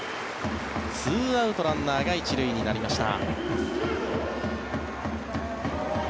２アウトランナーが１塁になりました。